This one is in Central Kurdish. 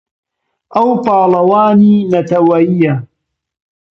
ئەو پاڵەوانی نەتەوەیییە.